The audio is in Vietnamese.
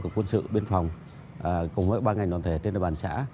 của quân sự biên phòng cùng với ban ngành đoàn thể trên ủy ban xã